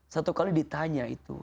satu kali ditanya itu